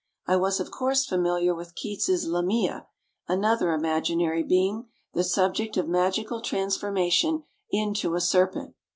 I was of course familiar with Keats's Lamia, another imaginary being, the subject of magical transformation into a serpent.